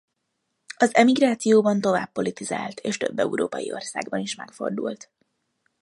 Az emigrációban tovább politizált és több európai országban is megfordult.